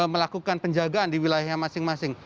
melakukan penjagaan di wilayahnya masing masing